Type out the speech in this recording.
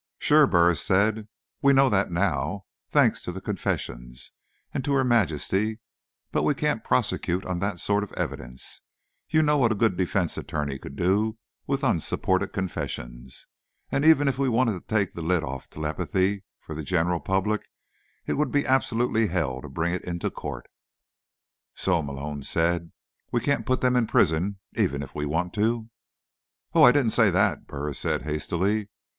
"Sure," Burris said. "We know that now, thanks to the confessions, and to Her Majesty. But we can't prosecute on that sort of evidence. You know what a good defense attorney could do with unsupported confessions—and even if we wanted to take the lid off telepathy for the general public, it would be absolute hell bringing it into court." "So," Malone said, "we can't put them in prison, even if we want to." "Oh, I didn't say that," Burris said hastily.